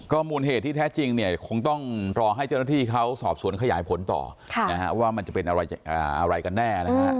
มูลเหตุที่แท้จริงเนี่ยคงต้องรอให้เจ้าหน้าที่เขาสอบสวนขยายผลต่อว่ามันจะเป็นอะไรกันแน่นะฮะ